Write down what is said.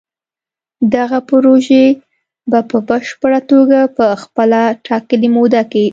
دغه پروژې به په پشپړه توګه په خپله ټاکلې موده کې